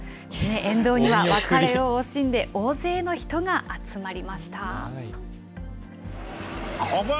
沿道には別れを惜しんで、大勢の人が集まりました。